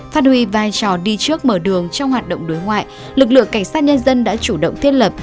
phát huy vai trò đi trước mở đường trong hoạt động đối ngoại lực lượng cảnh sát nhân dân đã chủ động thiết lập